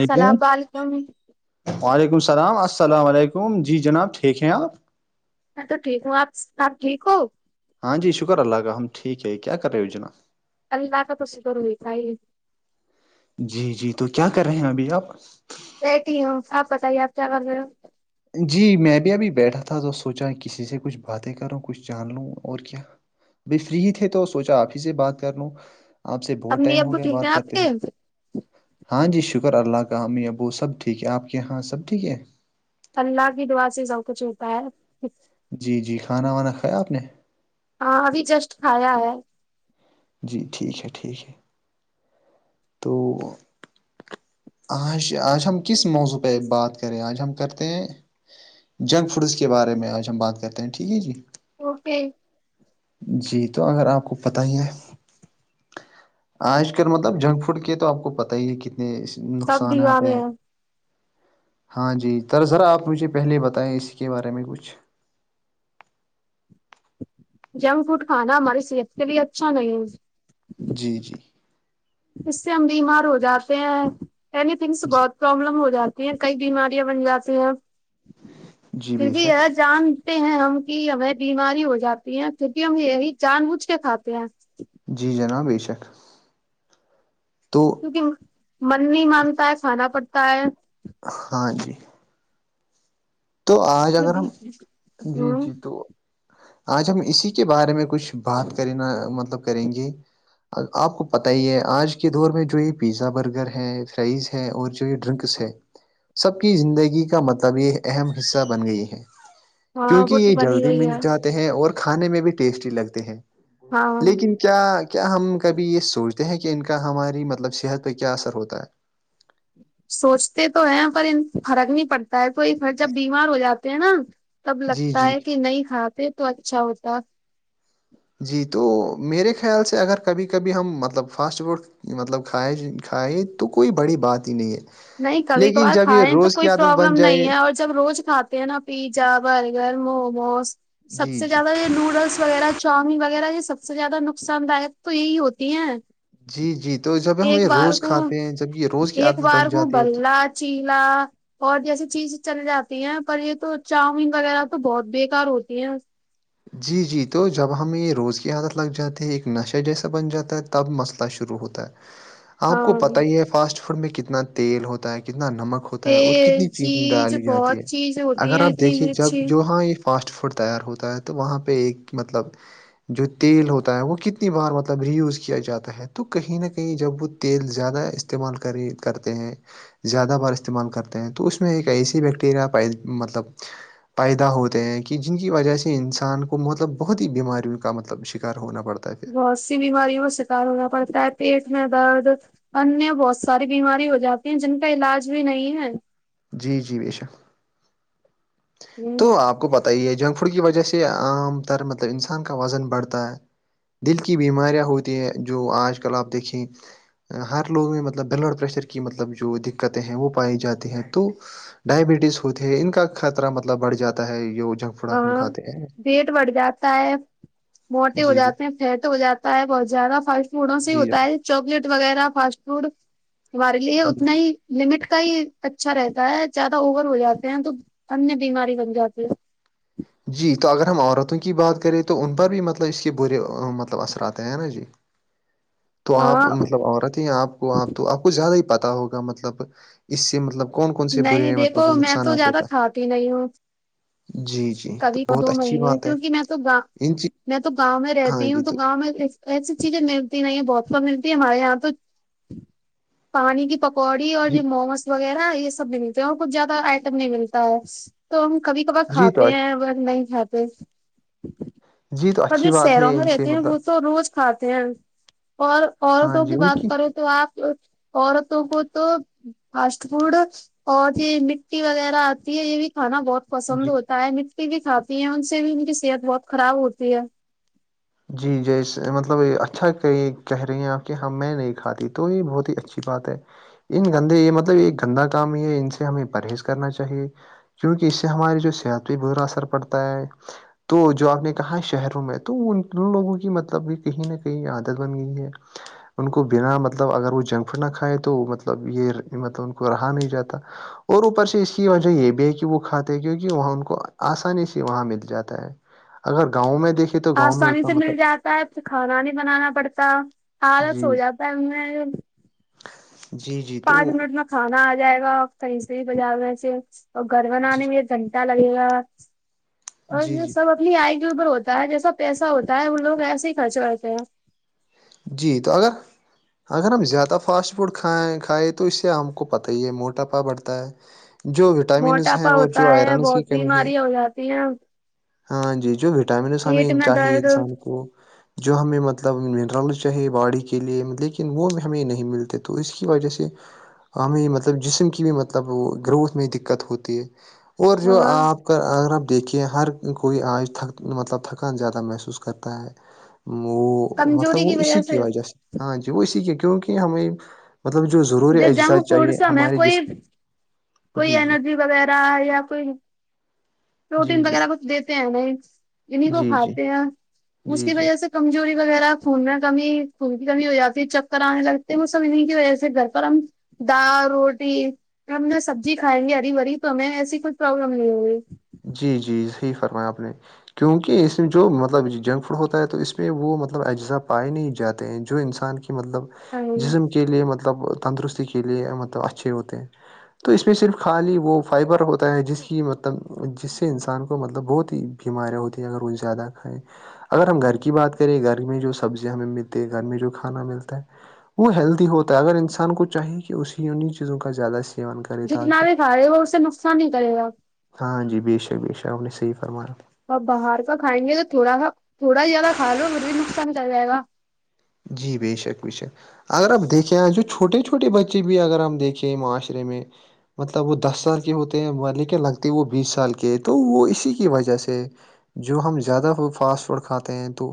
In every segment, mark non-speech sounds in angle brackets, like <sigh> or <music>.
السلام وعلیکم علیکم وعلیکم السلام السلام علیکم جی جناب ٹھیک ہیں آپ میں تو ٹھیک ہوں آپ آپ ٹھیک ہو ہاں جی شکر اللہ کا ہم ٹھیک ہے کیا کر رہے ہیں وجنا ار ن کاا توسے کرو یہ کائی جی جی تو کیا کر رہے ہیں ابھی آپ بیٹتی ہوں آپ بتائیے آپ کیا کر رہے ہو جی میں بھی ابھی بیٹھا تھا تو سوچا کسی سے کچھ باتیں کروں کچھ جان لوں اور کیا بائی فری ہی تھے تو سوچا آپ ہی سے بات کر لوں آپ سے بہت امی ٹائم ہو ابو گیا ٹھیک بات ہیں آپ کرتے کے ہوئے ہاں جی شکر اللہ کا اام ابو سب ٹھیک ہے آپ کے یہاں سب ٹھیک ہے اللہ کی دعا سے سب کچھ ہوتا ہے جی جی کھانا وانا کھایا آپ نے ہاں ابھی جسٹ کھایا ہے جی ٹھیک ہے ٹھیک ہے تو آج آج ہم کس موضوع پہ بات کریں آج ہم کرتے ہیں جنک فوڈس کے بارے میں آج ہم بات کرتے ہیں ٹھیک ہے جی اوکے جی تو اگر آپ کو پتہ ہی ہے آج کل مطلب جنک فوڈ کے تو آپ کو پت ہی ہے کتنے سب نقصانات بیمارے ہیں ہاں جی در ذرا آپ مجھے پہلے بتائیں اسی کے بارے میں کچھ جنک فوڈ کھانا ہماری صحت کے لیے اچھا نہیں ہے جی جی اس سے ہم بیمار ہو جاتے ہیں اینی تھنگس جی بہت پرابلم ہو جاتی ہیں کئی بیماریاں بن جاتی ہیں جی پھر بے بھی شک یہ جان ہیں ہم کی ہمیں بیماری ہو جاتی ہے کیونکہ ہم یہی جان بوجھ کے کھاتے ہیں جی جناب بے شک تو کیکہ من نہیں مانتا ہے کھانا پڑتا ہے ہاں جی تو آج اگر ہم جی ہوں جی تو آج ہم اسی کے بارے میں کچھ بات کرینا مطلب کریں گے آپ کو پت ہی ہے آج کے دور میں جو یہ پیزا برگر ہے فرائز ہے ہیں اور جو ڈرنکس ہے سب کی زندگی کا مطلب یہ اہم حصہ بن گئی ہیں ہاں کیونکہ وہ تو یہ بنی جلدی گئی مل ہے جاتتا ہیں اور کھانے میں بھی ٹیسٹی لگتے ہیں ہاں لیکن کیا کیا ہم کبھی یہ سوچتے ہیں کہ ان کا ہماری مطلب صحت پہ کیا اثر ہوتا ہے سوچتے تو ہیں پر فرق نہیں پڑتا ہے توھر جب ہے بیمار ہو جاتے ہیں نا تب جی لگتا جی ہے کہ نہیں کھاتے تو اچھا ہوتا جی تو میرے خیال سے اگر کبھی کبھی ہم مطلب فاسٹ فوڈ مطلب کھائے کھائے تو کوئی بڑی بات ہی نہیں ہے نہیں کبھی لیکن کبھار جب یہ کھائےیں تو روز کی کوئی عادت بن پروابلم جائے نہیں ہے اور جب روز کھاتے ہیں نا پی پا برگر موموز سب جی سے جی زیادہ یہ نوڈلس وغیرہ <inaudible> شامی وغیرہ یہ سب سے زیادہ نقصان داک تو یہی ہوتی ہیں جی جی تو جب ہم ایک یہ بار روز کو کھاتے ہیں جب یہ روز کی عادت بن جاتی ہے تو کاچیلا <inaudible> اور جیسی چیز چل جاتی ہیں پر یہ تو چاؤمین وغیرہ تو بہت بیکار ہوتی ہے جی جی تو جب ہم یہ روز کی عادت لگ جاتے ہے ایک نشہ جیسا بن جاتا ہے تب مسئلہ شروع ہوتا ہے آپ کو ہاں پتا ہی ہے فاسٹ فوڈ میں کتنا تیل ہوتا ہے کتنا نمک ہوتا ہوتا ہے اور تیل کتنی چینین چیز ڈالی جاتی بہت ہے چیز ہوتی اگر ہیں آپ اتنی دیکھیں جب مرچی جو ہاں یہ فاسٹ فوڈ تیار ہوتا ہے تو وہاں پہ ایک مطلب جو تیل ہوتا ہے وہ کتنی بار مطلب رییوز کیا جاتا ہے تو کہیں نہ کہیں جب وہ تیل زیادہ استعمال کری کرتے ہیں زیادہ بار استعمال کرتے ہیں تو اس میں ایک ایسی بیکٹیریا پ مطلب پیدا ہوتے ہیں کہ جن کی وجہ سے انسان انسان کو مطلب بہت ہی بیماریوں کا مطلب شکار ہونا پڑتا ہے پھر بہت سی بیماریوں کا شکار ہونا پڑتا ہے پیٹ میں درد انیہ بہت ساری بیماری ہو جاتی ہیں جن کا علاج بھی نہیں ہے جی جی بشک تو ہ آپ کو پت ہی ہے جنک فوڈ کی وجہ سے عام تر مطلب انسان کا وزن بڑھتا ہے دل کی بیماریاں ہوتی ہیں جو آج کل آپ دیکھیں ہر لوگ میں مطلب بلڈ پریشر کی مطلب جو دقتیں ہیں وہ پائی جاتی ہیں تو ڈائبٹیز ہوتی ہے ان کا خطرہ مطلب بڑھ جاتا ہے یہ جنک پوڑا ہم کھاتے ہیں ریٹ بڑھ جاتا ہے <unintelligible> موٹے ہو جی جی جاتے ہیں فیٹ ہو جاتا ہے بہت زیادہ فھل فوٹوں سے جی ہوتا جناب ہے چواکلیٹ وغیرہ فاسٹ فوڈ ہمارے لیے جی اتنا جی ہی لمٹ کا ہی اچھا رہتا ہے زیادہ اوور ہو جاتے ہیں تو انیہ بیماری بن جاتی ہے ہ <inaudible> جی تو اگر ہم عورتوں کی بات کریں تو ان پر بھی مطلب اس کے برے مطلب اثر آتے ہیں ہے نا جی تو آپ ہاں مطلب عورت ہیں آپ کو آپ تو آپ کو زیادہ ہی پتتا ہوگا مطلب اس سے مطلب کون کون سے نہیں برے مطلب دیکھو کوئی میں نقصانات ہوتا ہے جی جی تو کبھیب بہت دو اچھی مہینے بات ہے کیونکہ میں تو گاؤ ان چی <inaudible> میں تو گاؤں میں ہاں رہتی جی ہوں تو گاؤں میں ایسی چیزیں ملتی ن بہت کم ملتی ہے ہمارے یہاں تو پانی کی پ پڑی اور جی یہ موموس وغیرہ یہ سب نہیں ملتے ہیں اور کچھ زیادہ آئٹم نہیں ملتا ہے تو ہم کبھی کبار جی کھاتے تو ہیں نہیں کھاتے جی تو پر اچھی جو بات شہروں ہے میں ان سے رہتی ہیں وہ مطلب تو روز کھاتے ہیں اور ہاں عورتوں جی کی ان بات کریں تو آپ عورتوں کو تو فاسٹ فوڈ اور یہ مٹی وغیرہ آتی ہے یہ بھی کھانا بہت پسند جی ہوتا ہے مٹی بھی کھاتی ہیں ان سے بھی ان کی صحت بہت خراب ہوتی ہے جی جیسے مطلب اچھا کہ کہہ رہی ہیں آپ کہ ہاں میں نہیں کھاتی تو یہ بہت ہی اچھی بات ہے ان گندے یہ مطلب یہ گندا کام یہ ہے ان سے ہمیں پرہیز کرنا چاہیے کیونکہ اس سے ہماریے جو صحت پہ ہی برا اثر پڑتا ہے تو جو آپ نے کہا شہروں میں تو ان ان لوگوں کی مطلب بھی کہیں نہ کہیں عادت بن گئی ہے ان کو بنا مطلب اگر وہ جنک فڈ نہ کھائے تو مطلب یہ مطلب ان کو رہا نہیں جاتا اور اوپر سے اس کی وجہ یہ بھی ہے کہ وہ کھاتے ہیں کیونکہ وہاں ان کو آسانی سے وہاں مل جاتا ہے اگر گاؤں میں دیکھے تو گاؤں میں آسانی سے مل مطلب جاتا ہے تو کھانا نہیں بنانا پڑتا آالس جی ہو جاتا ہے جی جی تو پانچ منٹ میں کھانا آ جائے گا کہیں سے ہی بجار میںے اور گھر جی بنانے میں کھنٹا لگے گا اور جی یہ جی سب نی آئی کے اوپر ہوتا ہے جیسا پیسہ ہوتا ہے وہ لوگ ایسے ہی خرچ کرتے ہیں جی تو اگر اگر ہم زیادہ فاٹ فوڈ کھائیں کھائائے تو اس سے ہم کو پتہ ہی ہے موٹاپا بڑھتا ہے جو وٹامنس ہیں موٹاپا اور جو ہوتا ہے آئرنس کی بہت کمی ہے بیماریاں ہو جاتی ہیں ہاں جی جو وٹامنس ہمیں پیٹ میں چاہیے درد انسان کو جو ہمیں مطلب ڈرل چاہے باڑی کے لیے لیکن وہ بھی ہمیں نہیں ملتے تو اس کی وجہ سے ہمیں مطلب جسم کی بھی مطلب گروتھ میں دقت ہوتی ہے اور جو آپ کا اگر آپ دیکھیے ہر کوئی آنج تھک مطلب تھکان زیادہ محسوس کرتا ہے وہ کمزور مطلب اسی کی وجہ سے ہاں جی وہ اسی کی کیونکہ ہمیں مطلب جو ضرور ج جنک فوڈ سیں کوئی کوئی جی جی ارجی وغیرہ یا کوئی جی پروٹین جی وغیرہ کچھ دیتے ہیں نہیں انیں کو جی جی کھاتے ہیں اس جی کی جی وجہ سے کمزوری وغیرہ خون میں کمی خون کی کمی ہو یا پھر چکر آنے لگتے ہیں وہ سمجھنے کی وجہ سے گ پرم دال روٹی ہم جو سبزی کھائیں گے ہری بھری تو ہمیں ایسی کچھ پروابلم نہیں ہوگی جی جی صحیح فرمایا آپ نے کیونکہ اس میں جو مطلب جنک فوڈ ہوتا ہے تو اس میں وہ مطلب اجزا پائے نہیں جاتے ہیں جو انسان کی مطلب جسم کے کے لیے مطلب تندرستی کے لیے مطلب اچھے ہوتے ہیں تو اس میں صرف خالی وہ فائبر ہوتا ہے جس کی مطلب جس سے انسان کو مطلب بہت ہی بیماریاں ہوتی ہیں اگر وہ زیادہ کھائیں اگر ہم گھر کی بات کریں گھر میں جو سبزیاں ہمیں ملتی ہے گھر میں جو کھانا ملتا ہے وہ ہیلدی ہوتا ہے اگر انسان کو چاہیے کہ اسی انہیں چیزوں کا زیادہ سیکھ جتناارے کھا رہے ہوا اس سے نقصان ہی کرے گا ہاں جی بے شک بےش شک ہمن نے س صحیح فرمان ا آپ باہر کا کائیں گے تو تھوڑا سا تھوڑا زیادہ کھا لو پھر بھی نقصان کر جائے گا جی بے شک وشے اگر آپ دیکھیں آ جو چھوٹے چھوٹے بچے بھی اگر ہم دیکھیں معاشرے میں مطلب وہ دس سال کے ہوتے ہیں لیکن لگتے وہ بیس سال کے تو وہ اسی کی وجہ سے جو ہم زیادہ فاسٹ فوڈ کھاتے ہیں تو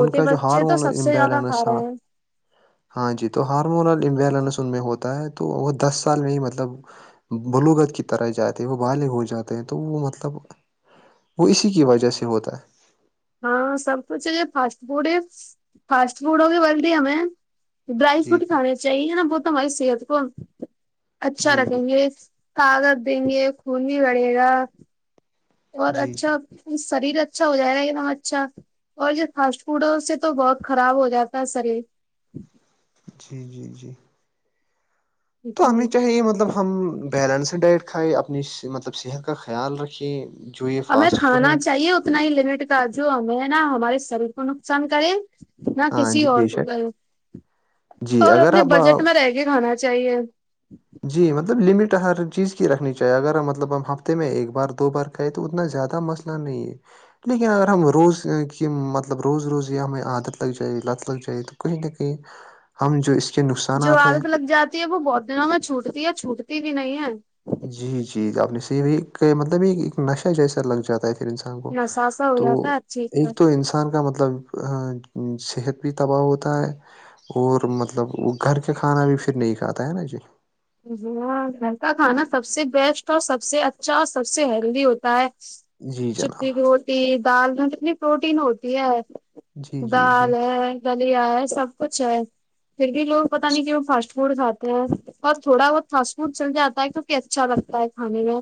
ان کا جو بچے تو ہارمون سب سے زیادہ کھا امبیلنس ہاں رہے ہیں ہاں جی تو ہارمونل امبیلنس ان میں ہوتا ہے تو وہ دس سال میں ہی مطلب بلوغت کی طرح جاتے ہیں وہ بالغ ہو جاتے ہیں تو وہ مطلب وہ اسی کی وجہ سے ہوتا ہے ہاں سب کچھ ہے یہ فاسٹ فوڈ فاسٹ فوڈ ہوگے بولدی ہمیں ڈرائی ف جی روٹی کھانی چاہیے نا ب تو ہماری صحت کو اچھا جی جی رکھیں گے کگادیںنے کندی گڑے گا اور جی جی اچھا جی شریر اچھا ہو جائے گا کہ نا اچھا اور یہ فاسٹ فوڈ سے تو بہت خراب ہو جاتا ہے شریر جی جی جی تو ہمیں جی چاہیے مطلب ہم بیلنس ڈائٹ کھائےیں اپنی مطلب صحت کا خیال رکھے جو یہ ہمیں فاسٹ فوڈ ہے کھانا چاہیے اتنا ہی لمٹ کا جو ہمیں نا ہمارے شریر کو نقصان کرے نہ ہاں کسی جی اور بے کو شک گ جی اور اگر اپنے آپ بجٹ میں رہ کے کھانا چاہیے جی مطلب لمٹ ہر چیز کی رکھنی چاہیے اگر مطلب ہم ہفتے میں ایک بار دو بار کہے تو اتنا زیادہ مسئلہ نہیں ہے لیکن اگر ہم روز کی مطلب روز روز یہ ہمیں عادت لگ جائے لت لگ جائے تو کہیں نہ کہیں ج ہم جو اس کے ن جو عادت لگ جاتی ہے وہ بہت دنوں میں چھوٹتی ہے چھوٹتی بھی نہیں ہے جی جی ج آپ نے سے مطلب یہ ایک نشہ جیسا لگ جاتا ہے انسان کو نشہ سا ہو تو جاتا ہے اچھی طرح۔ ایک تو انسان انسان کا مطلب صحت بھی تباہ ہوتا ہے اور مطلب وہ گھر کا کھانا بھی پھر نہیں کھاتا ہے نا جی ہاں گھر کا کھانا سب سے بیسٹ اور سب سے اچھا اور سب سے ہیلدی ہوتا ہے جی چی جناب کی ہوتی دالتنی پروٹین ہوتی ہے جی جی جی دال گلیا ہے سب کچھ ہے پھر بھی لوگ پتاہ نہیں کہ وہ فاسٹ فوڈ کھاتے ہیں اور تھوڑا بہت فاسٹ فوڈ چل جاتا ہے کیونکہ اچھا لگتا ہے کھے میں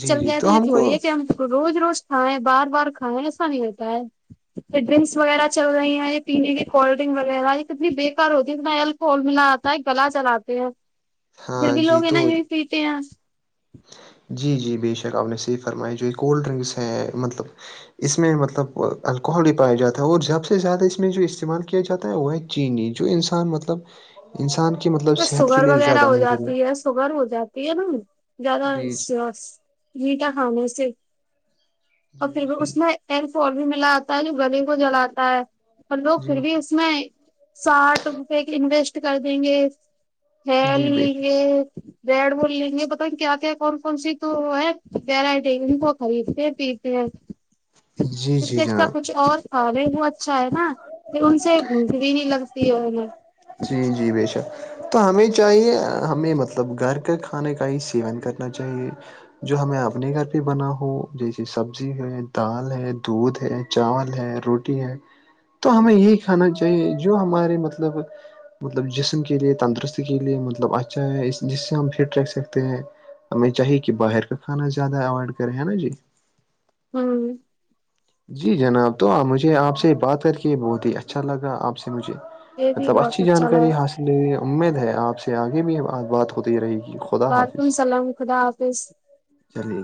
جی چل جی گیا ہے تو یہ ہم کو تھوڑی ہے کہ ہم روز روز کھائیں بار بار کھائیں ایسا نہیں ہوتا ہے پ ڈرنکس وغیرہ چل رہی ہیں یہ پینے کی کولڈ ڈرنک وغیرہ یہ کتنی بےیکار ہوتی ہے اتنا ہی کول ملا آا ہے گلا چلاتے ہیں پھر ہاں بھی جی لوگ انہ تو ہی پیتے ہیں جی جی بے شک آپ نے صحیح فرما جو یہ کولڈ ڈرنکس ہیں مطلب اس میں مطلب الکحل ہی پایا جاتا ہے اور سیاب سے زیادہ اس میں جو استعمال کیا جاتا ہے وہ ہے چی نہیں جو انسان مطلب انسان کے مطلب صحت کے لیے زیادہ نہیںضر س گم ہو جاتی ہے نا زیادہ جی جٹا خانان سے اور جی جی پھر اس جی میں ٹین ف بھی ملا آتا ہے جو گل کو جلاتا ہے اور لوگ پھر جی بھی جی اس اس میں ساٹھ روپئے کے انویسٹ کر دیں گے جی ہی بے لی گ بیڈ بول لیں گے بت کیا کیا کون کون سی تو ہے یرائٹی ان کو خریدتے پ جی جی ج جی اس کا جناب کچھ اور کااب ہے وہ اچھا ہے نا پ ان سے گھند بھی نہیں لگ تی ہے ن جی جی ب شک تو ہمیں چاہیے ہمیں مطلب گھر کا کھانے کا ہی سیون کرنا چاہیے جو ہمیں اپنے گھر پہ بنا ہو جیسے سبزی ہے دال ہے دودھ ہے چاول ہے روٹی ہے تو ہمیں یہی کھانا چاہیے جو ہمارے مطلب مطلب جسم کے لیے تندرستی کے لیے مطلب اچھا ہے جس سے ہم فٹ ر سکتے ہیں ہمیں چاہیے کہ باہر کا کھانا زیادہ اوائڈ کرے ہے نا جی ہوں جی جناب تو مجھے آپ سے بات کر کے بہت ہی اچھا لگا آپ سے مجھے یہ بھی مطلب بہت اچھی اچھا جانکاری لگا حاصل امید ہے آپ سے آگے بھی بات ہوتی رہے گی خدا وعلیکم حافظ السلام خدا حافظ چلیے